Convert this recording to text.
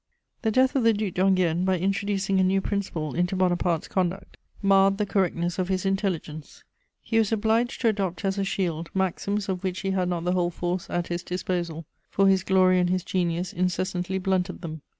The death of the Duc d'Enghien, by introducing a new principle into Bonaparte's conduct, marred the correctness of his intelligence: he was obliged to adopt as a shield maxims of which he had not the whole force at his disposal, for his glory and his genius incessantly blunted them.